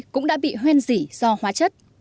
cũng đã bị hoen dỉ do hóa chất